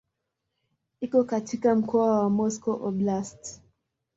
Iko katika mkoa wa Moscow Oblast.